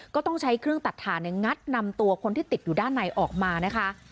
ก็ต้องใช้เครื่องตัดถ่านงัดนำตัวคนที่ติดอยู่ด้านในออกมานะคะ